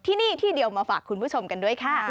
ที่นี่ที่เดียวมาฝากคุณผู้ชมกันด้วยค่ะ